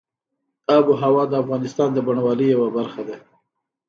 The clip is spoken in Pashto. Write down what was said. آب وهوا د افغانستان د بڼوالۍ یوه برخه ده.